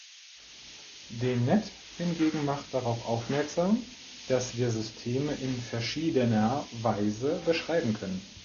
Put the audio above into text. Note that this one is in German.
Dennett hingegen macht darauf aufmerksam, dass wir Systeme in verschiedener Weise beschreiben können.